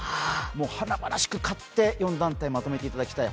華々しく勝って４団体まとめていただきたい